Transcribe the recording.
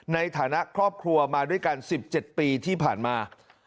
ในฐานะครอบครัวมาด้วยกัน๑๗ปีที่ผ่านมา